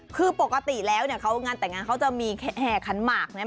คือปกติแล้วเนี่ยเขางานแต่งงานเขาจะมีแห่ขันหมากนะ